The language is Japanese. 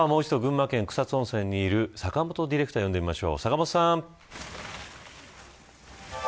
もう一度、群馬県草津温泉にいる阪本ディレクターを呼んでみましょう。